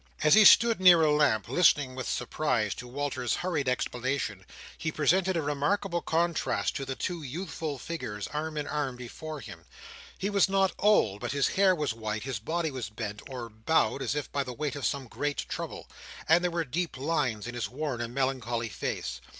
As he stood near a lamp, listening with surprise to Walter's hurried explanation, he presented a remarkable contrast to the two youthful figures arm in arm before him. He was not old, but his hair was white; his body was bent, or bowed as if by the weight of some great trouble: and there were deep lines in his worn and melancholy face.